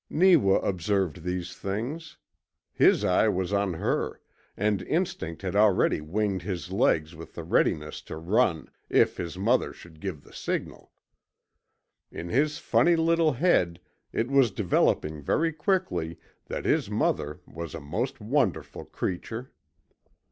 Neewa observed these things. His eye was on her, and instinct had already winged his legs with the readiness to run if his mother should give the signal. In his funny little head it was developing very quickly that his mother was a most wonderful creature.